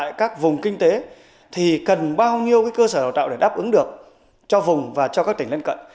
tại các vùng kinh tế thì cần bao nhiêu cơ sở đào tạo để đáp ứng được cho vùng và cho các tỉnh lên cận